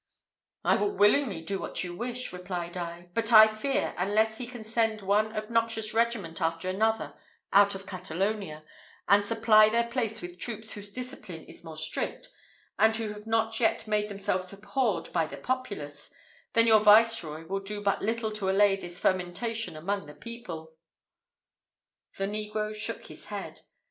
"I will willingly do what you wish," replied I; "but I fear, unless he can send one obnoxious regiment after another out of Catalonia, and supply their place with troops whose discipline is more strict, and who have not yet made themselves abhorred by the populace, that your viceroy will do but little to allay this fermentation among the people." The negro shook his head.